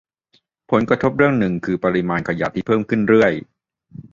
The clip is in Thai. ผลกระทบเรื่องหนึ่งคือปริมาณขยะที่เพิ่มขึ้นเรื่อย